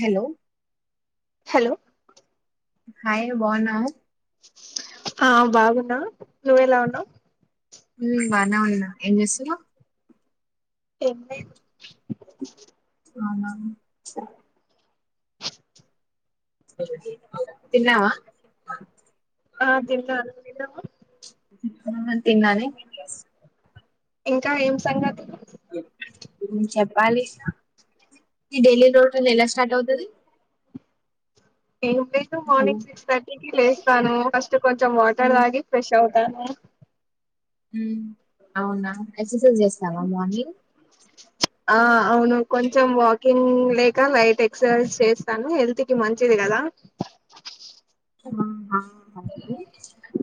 Hello hello hi బాన్నార ఆ బాగున్నా నువ్వ ఎలా ఉన్నావ్ ఉ బానే ఉన్నా ఏం జేస్తున్నావ్ ఏం లేదు అవునా సరె తిన్నావ ఆ తిన్నా అండి నువ్వు ఆ తిన్నా నే ఎ కా ఏం సంగతులు చెప్పాలి ఈ డెయిలీ లోటల్ ఎలా స్టార్ట్ అవుతది ఎంలేదు మార్నింగ్ సిక్స్ థర్టీ కి లేస్తాను ఫస్ట్ కొంచెం వాటర్ హ్మ్ తాగి ఫ్రెష్ అవ్ కానీ ఉమ్ అవునా ఎక్సైజ్ చేస్తావా మార్నింగ్ ఆ అవును కొంచెం వాక్ కిన్ లేక లైట్ ఎక్సైజ్ చేస్తాను హెల్త్ కి మంచిది కదా ఆహా మళ్ళీ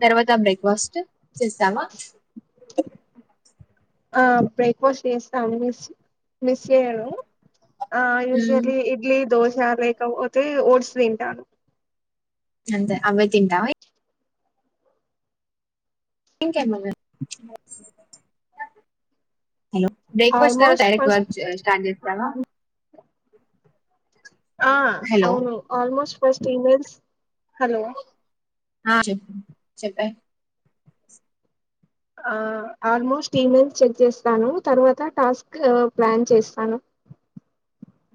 తర్వాత బ్రేక్ఫాస్ట్ చేస్తావ ఆ బ్రేక్ఫాస్ట్ చేస్తా మిస్ మిస్ చేయను ఆ హ్మ్ యుజ్వలి ఇడ్లీ దోశ లేకపోత్ తి ఓట్స్ తింటాను అంతే అవ్వే తింటా ఇంకేమున్నాయ్ బ్రేక్ఫాస్ట్ తర్ almost direct first work start చేస్తావా ఆ హలో అవును ఆల్మోస్ట్ ఫస్ట్ ఈమెయిల్స్ హలో ఆ చెప్పు చెప్పే ఆ ఆల్మోస్ట్ ఈమెయిల్ చెక్ చేస్తాను తర్వాత టాస్క్ ప్లాన్ చేస్తాను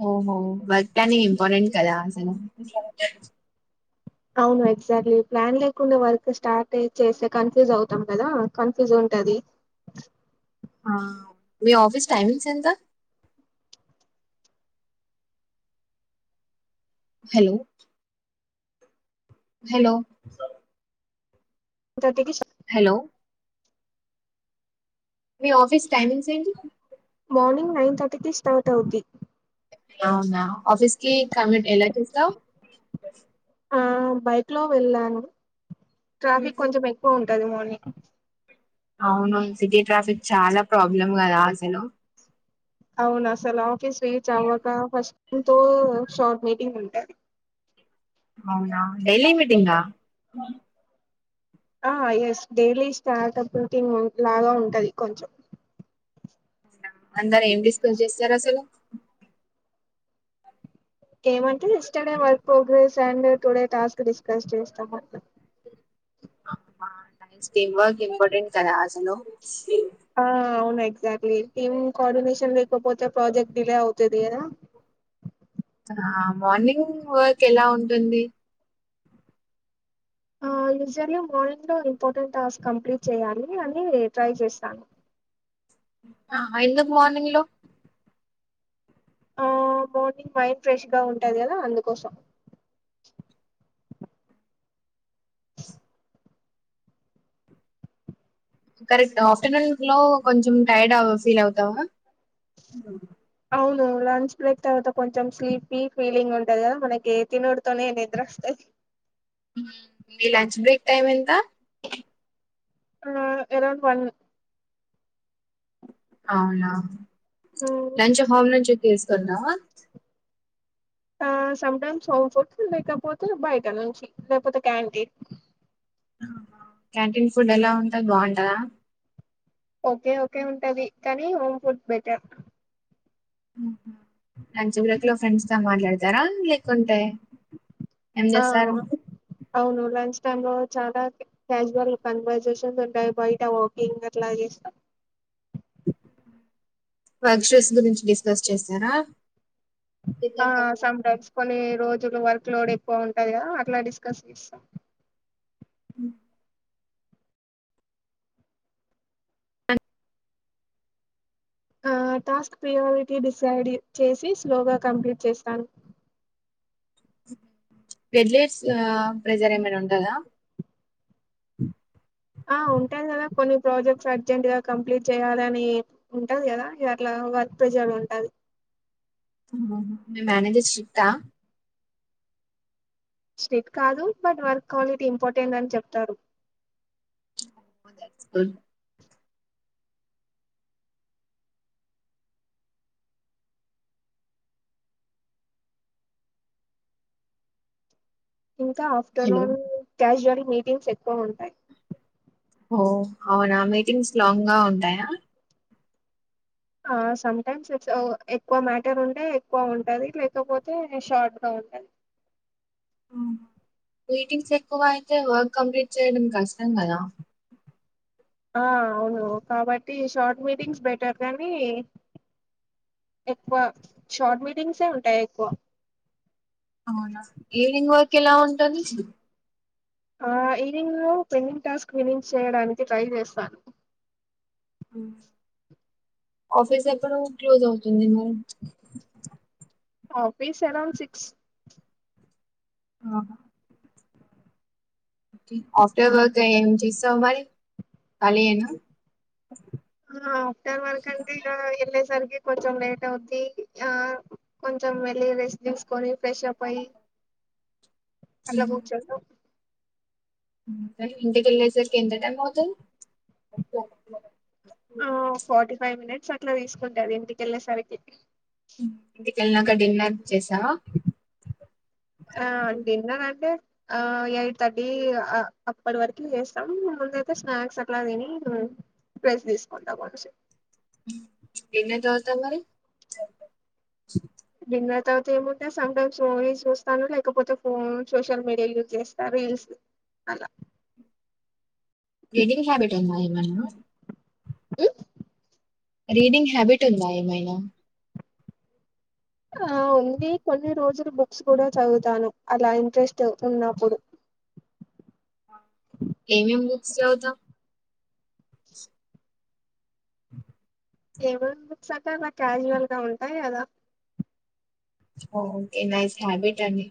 ఓహో వర్క్ ప్లానింగ్ ఇంపోర్టెట్ కదా అసలు [inaudible] అవును ఎగ్జాక్ట్లీ ప్లాన్ లేకుండా వర్క్ స్టార్ట్ ఎ చేస్తే కన్ఫ్యూజ్ అవుతాం కదా కన్ఫ్యూజ్ ఉంటది. ఆ మీ ఆఫీస్ టైమింగ్స్ ఎంత హలో హలో థర్టీ కిష్ హలో మీ ఆఫీస్ టైమింగ్స్ ఏంటి మార్నింగ్ నైన్ థర్టీకి స్టార్ట్ అవుంది అవునా ఆఫీస్ కి కామెంట్ ఎలా చేస్తావ్ ఆ బైక్ లో వెళ్ళాను ట్రాఫిక్ కొంచెం ఎక్కువ ఉ తది మార్నింగ్ అవును సిటీ ట్రాఫిక్ చాలా ప్రాబ్లం కదా అసలు అవ్నసాలా కి స్వీట్ అవ్వకా ఫస్ట్ ఇంతో షార్ట్ మీటింగ్ ఉంటా అవునా డైలీ మీటింగ్ ఆ ఎస్ డైలీ స్టార్ట్ప్ రుటీన్ లాగ ఉంటది కొంచెం అందరు ఏం డిస్కస్ చేస్తారు అస్సలు కేమంట్ కె ఎస్డే వర్క్ ప్రోగ్రెస్ చండు టుడే టాస్క్ డిస్కస్ చేస్తామ్ స్టమ్ వర్క్ ఇంపార్టెన్స్ కదా యెలో ఎగ్జాట్లీ టిమ్ కోర్డినేషన్ లేకపోతే ప్రోజెక్ట్ డిలే అవుతుంది ఆ మార్నింగ్ వర్క్ ఎలా ఉంటుంది ఆయూజల్లీ మార్నింగ్లో ఇంపార్టెంట్ టాస్క్ కంప్లీట్ చేయాలి అని ట్రై చేస్తా ఆ ఎందుక్ మోర్నిింగ్ లో ఆ మార్నింగ్ మైండ్ ఫ్రెష్ గా ఉంటది కదా అందుకోసం కరెక్ట్ ఆఫ్టర్నూన్ లో కొంచెం టైర్డ్ ఫీల్ అవుతావ అవును లంచ్ బ్రేక్ తర్వాత కొంచెం స్లీపీ ఫీలింగ్ ఉంటంది కదా మనకి తినడ్తోనే నిద్ర వస్తాంది ఉహుమ్ మీ లంచ్ బ్రేక్ టైమ్ ఎంత ఆ ఎరౌండ్ వన్ అవున లంచ హావ నుంచి కేసు కున్నావ ఆ సమ్టైమ్స్ సోం ఫుడ్ లేకపోతే బయట నుంచి లేకపోతే క్యాంటీన్ క్యాంటీన్ ఫుడ్ ఎలా ఉంటది బాగుంటదా ఓకె ఓకె ఉంటది కానీ హోమ్ ఫుడ్ బెటర్ అండ్ చివరెక్ లో ఫ్రెండ్స్ తో మాట్లాడతారా లేకుంటే ఏం ఆ చేస్తారు అవును లంచ్ టైమ్ లో చాల క్యాజువల్ కన్వర్సేషన్స్ ఉంటాయి బయట వాకింగ్ అట్ల చేస్తామ్ వర్షెస్ గురించి డిస్కస్ చేస్తరా ఆ సమ్ టైప్స్ కొన్ని రోజు తున్న వర్క్ లోడ్ ఎక్కువ ఉంటది కదా అట్ల డిస్కస్ చేస్తాం భు ఆ టాస్క్ ప్రియారిటీ డిసైడ్ చేసి స్లోగ కంప్లీట్ చేస్తాను బెడ్లెట్స్ ప్రెజర్ ఏమైన ఉంటదా ఆ ఉంటది కదా కొన్ని ప్రాజెక్ట్స్ అర్జెంట్ గా కంప్లీట్ చేయాలని ఉంటది కదా ఇగ అట్ల వర్క్ ప్రెజర్ ఉంటది అహ మి మ్యానేజర్ స్ట్రిక్ష స్ట్రిక్ట్ర కాదు బట్ వర్క్ క్వాలిటీ ఇంపార్టెంట్ అని చెప్తారు ఇట్స్ కాల్ ఇంకా హలో ఆఫ్టర్నూన్ క్యాజ్యవల్ మీటింగ్స్ ఎక్కువ ఉంటాయి ఓ అవున మీటింగ్స్ లాంగ్ గా ఉంటాయ ఆ సమ్ టైమ్స్ ఇట్స్ ఎక్కువ మ్యాటర్ ఉంటే ఎక్కువ ఉంటది లేకపోతే షార్ట్గా ఉంటది మీటింగ్స్ ఎక్కువ అయితే వర్క్ కంప్లీట్ చేయడం కష్టం కదా ఆ అవును కాబట్టి షార్ట్ మీటింగ్స్ బెటర్ కానీ ఎక్కువ షార్ట్ మీటింగ్సే ఉంటాయి ఎక్కువ అవునా ఈవనింగ్ వర్క్ ఎలా ఉంటది ఆ ఈవినింగ్ లో పెండింగ్ టాస్క్ వినింగ్ చేయడానికి ట్రై చేస్తాను ఉమ్ ఆఫీస్ ఎప్పుడు క్లోజ్ అవుతుంది [unintelligible] ఆఫీస్ అరౌండ్ సిక్స్ ఆహా ఆఫ్టర్ వర్క్ గా ఏం చేస్తావ్ మరి ఖాళీయేనా ఆ ఆఫ్టర్ వర్క్ అంటే ఇగ ఎళ్ళే సర్ కి కొంచెం లేట్ అవుద్ది ఆ కొంచెం ఎళ్ళి రెస్ట్ తీసుకొని ఫ్రెష్ అప్ అయి అలా ఉమ్, కూర్చుంటాం [unintelligible] ఇంటికెళ్ళేసరికి ఎంత టైమ్ అవుతుంది ఆ ఫార్టీ ఫైవ్ మినిట్ ఫ్ అట్లా తీసుకుంటది ఇంటికెళ్ళేసరికి ఇంటికెళ్ళినాక డిన్నర్ చేసావా ఆ డిన్నర్ అంటే ఆ ఎయిట్ థర్టీ అప్పటి వరకు చేస్తాం ముందయితే స్నాక్స్ అట్లా తిని రెస్ట్ తీసుకుంటాం అనిసి డిన్నర్ తరువాత మరి డిన్నర్ తరువాత ఏముంటాయి సమ్ టైమ్స్ మూవీ చూస్తాను లేకపోతే ఫోన్ సోషల్ మీడియా యూజ్ చేస్తా రీల్స్ అలా రీడింగ్ హ్యాబిట్ ఉందా ఏమన్నా ఊ రీడింగ్ హ్యాబిట్ ఉందా ఏమైనా ఆ ఉంది కొన్ని రోజు టు బుక్స్ కూడా చదువుతాను అలా ఇంట్రెస్ట్ ఉన్నప్పుడు ఏమేం బుక్స్ చదువుత ఏమేం బుక్స్ అంటేనా క్యాజువల్ గా ఉంటాయి కదా ఓకే నైస్ హాబిట్ అండి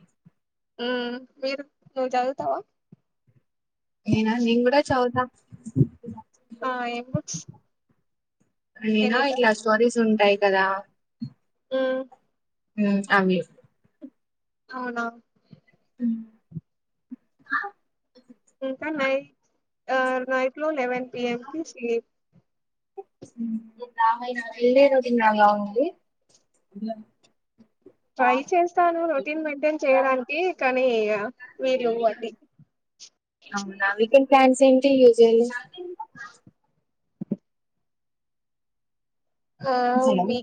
ఉమ్మ్ మీరు నువ్వు చదువుతావా నేనా నేను కూడా చౌతా ఆ ఏం బుక్స్ నేనా ఎనీ టైమ్ ఇట్లా స్టోరీస్ తుంటాయి కదా ఉమ్మ్ ఉమ్మ్ అవి అవునా ఉమ్మ్ ఇంకా నై నైట్ లో లెవెన్ ఎమ్ పి సి వెళ్లేరోజు ఇంగ అలా ఉంది. ట్రై చేస్తాను రొటీన్ మెయింటైన్ చేయడానికి కానీ వీలు వట్టి అవునా వీకెండ్ ప్లాన్స్ ఏంటి యూజువల్లీ ఆ మీ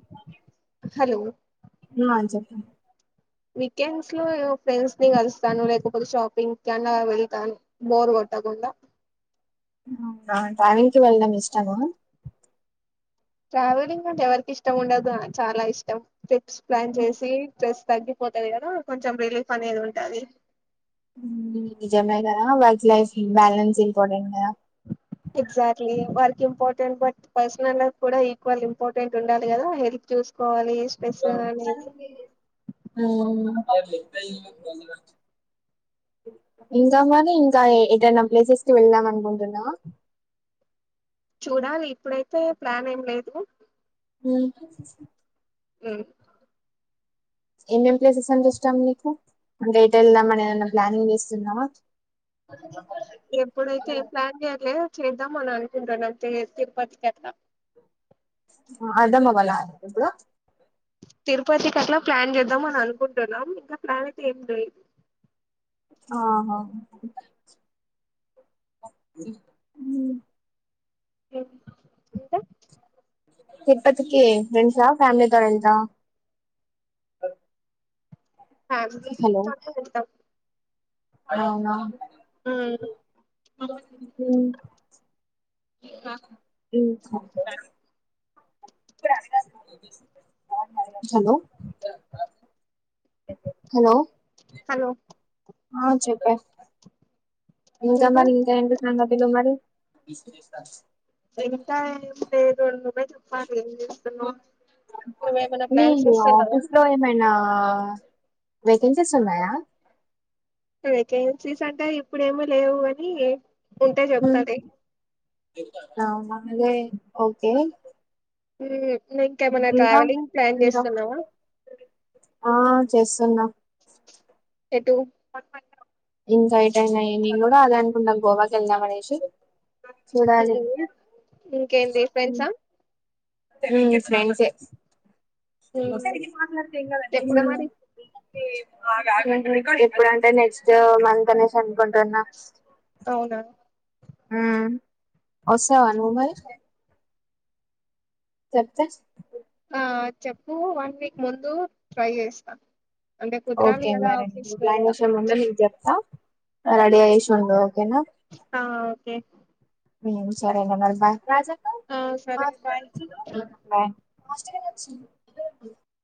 హలో ఉమ్ మా చెప్పు వీకెండ్స్ లో ఫ్రెండ్స్ ని కలుస్తాను. లేకపోతే షాపింగ్ కన్నా వెళ్తాను. బోర్ కొట్టకుండా అవునా ట్రావెలింగ్ కి వెళ్ళడం ఇష్టమా ట్రావెలింగ్ అంటే ఎవరికి ఇష్టం ఉండదు చాలా ఇష్టం. ట్రిప్స్ ప్లాన్ చేసి ప్లస్ తగ్గిపోతది కదా కొంచెం రిలీఫ్ అనేది ఉంటది. నిజమే కదా వర్క్ లైఫ్ ఇంబాలన్స్ ఇంపార్టెంట్ కదా ఎగ్జాక్ట్లీ వారికి ఇంపార్టెంట్ బట్ పర్సనల్ లైఫ్ కూడా ఈక్వల్ ఇంపార్టెంట్ ఉండాలి కదా హెల్త్ చూసుకోవాలి. స్ట్రెస్ అనేది ఉమ్ ఇంకా మరి ఇంకా ఏదైనా ప్లేసెస్కి వెళ్దాం అనుకుంటున్నావా చూడాలి ఇప్పుడైతే ప్లాన్ ఏం లేదు. ఉమ్ ఉమ్ ఏమేం మేం ప్లేసెస్ అంటే ఇష్టం నీకు అంటే ఎటు వెళ్దాం అని ఏదైనా ప్లానింగ్ చేస్తున్నావా. ఇప్పుడైతే ఏం ప్లాన్ చేయట్లేదు చేద్దామని అనుకుంటున్నాం [unintelligible] తిరుపతికి అట్లా ఆదమ్మ వాళ్ళ ఇప్పుడు తిరుపతి కట్ల ప్లాన్ చేద్దాం అని అనుకుంటున్నాం ఇంకా ప్లాన్ అయితే ఏం లేదు. ఆహా ఇంకా తిరుపతికి ఫ్రెండ్సా ఫ్యామిలీ తో వెళ్తావా ఫ్యామిలీ తోనే వెళ్తాం. ఆ అవునా ఉమ్ ఉమ్, ఇంకా ఉమ్ [unintelligible] ఇప్పుడా [unintelligible] హలో హలో హలో ఆ చెప్పే ఇంకా మరి ఇంకా ఏంటి సంగతులు మరి ఇంక అంటే నువ్వే చెప్పాలి ఏం చేస్తున్నావు నువ్వేమైనా మీ ప్లాన్స్ చేస్తున్నావా ఆఫీస్ లో ఏమైనా వేకన్సిస్ ఉన్నాయా వేకేన్సీస్ అంటే ఇప్పుడేమి లేవు కానీ ఉంటే ఉమ్, చెప్తాలే అవునా లే ఓకే ఉ ఇంకేమైనా ఇంకా ట్రావెలింగ్ ప్లాన్ ఇంకా చేస్తున్నావా ఆ చేస్తున్నా ఏటు ఇంకా ఎటయినా నేను కూడా అదే అనుకుంట పోవాలి ఇంగ అనేసి చూడాలి ఇంకేంది ఫ్రెండ్సా ఉ ఫ్రెండ్సే హ్మ్. ఎప్పుడు మరి ఎప్పుడంటే నెక్స్ట్ మంత్ అనేసి కుంటున్నా అవునా ఆ వస్తావా నువ్వు మరి చెప్తా ఆ చెప్పు వన్ వీక్ ముందు ట్రై చేస్తా అంటే కుదరాలి ఓకే కదా మరి ఆఫీస్ లో ప్లాన్ కూడా చేసే ముందర నీకు చెప్తా రెడీ అయ్యేసి ఉండు ఓకేనా ఆ ఓకే ఉ సరేలే మరి బాయ్ ఉ ఆ సరే బాయ్ బాయ్ అస్ట కాచ్చ